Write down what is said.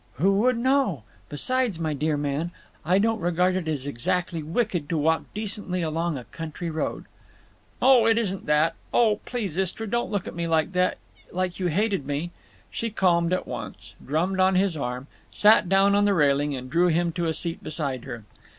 "Who would know? Besides, my dear man, I don't regard it as exactly wicked to walk decently along a country road." "Oh, it isn't that. Oh, please, Istra, don't look at me like that—like you hated me." She calmed at once, drummed on his arm, sat down on the railing, and drew him to a seat beside her.